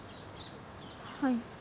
はい。